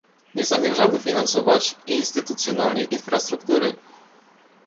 Nie zamierzamy finansować instytucjonalnie infrastruktury